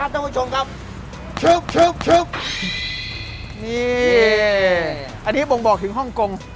ครับท่านผู้ชมครับนี่อันนี้บ่งบอกถึงฮ่องกง